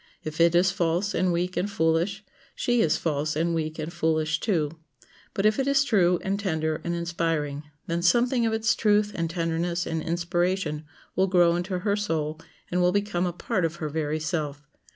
If it is false and weak and foolish, she is false and weak and foolish too; but if it is true and tender and inspiring, then something of its truth and tenderness and inspiration will grow into her soul, and will become a part of her very self.